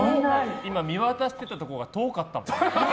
今、見渡してたところが遠かったもん。